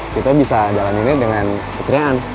kita bisa jalaninnya dengan keceriaan